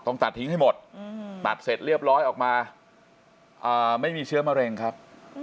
ตัดทิ้งให้หมดตัดเสร็จเรียบร้อยออกมาไม่มีเชื้อมะเร็งครับ